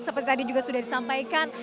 seperti tadi juga sudah disampaikan